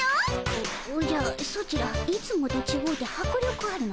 おおじゃソチらいつもとちごうてはくりょくあるの。